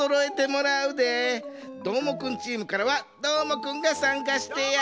どーもくんチームからはどーもくんがさんかしてや。